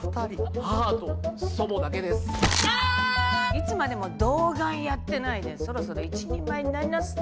いつまでも童顔やってないでそろそろ一人前になりなさい。